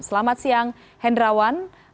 selamat siang hendrawan